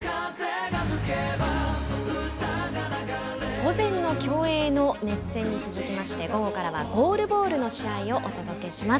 午前の競泳の熱戦に続きまして午後からはゴールボールの試合をお届けします。